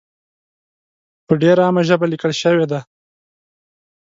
په ډېره عامه ژبه لیکل شوې دي.